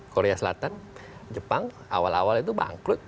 korea selatan jepang awal awal itu bangkrut